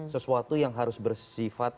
sesuatu yang harus bersifat